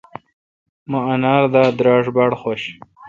مہ انر دا پہ دراݭ باڑ خوش۔